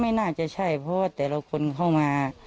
ไม่น่าจะใช่เพราะว่าแต่ละคนเข้ามา